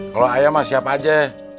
kalau ayam mah siap aja